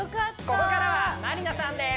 ここからはまりなさんです